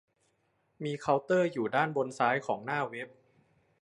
มีเคาน์เตอร์อยู่ด้านบนซ้ายของหน้าเว็บ